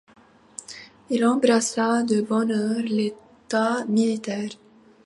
Il embrassa de bonne heure l'état militaire.